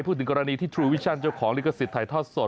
พูดถึงกรณีที่ทรูวิชั่นเจ้าของลิขสิทธิ์ถ่ายทอดสด